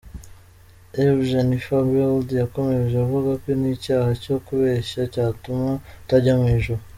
Ev Jennifer Wilde yakomeje avuga ko n’icyaha cyo kubeshya cyatuma utajya mu ijuru.